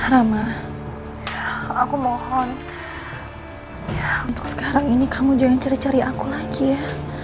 ramah aku mohon ya untuk sekarang ini kamu jangan cari cari aku lagi ya